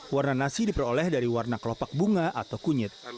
warna nasi diperoleh dari warna kelopak bunga atau kunyit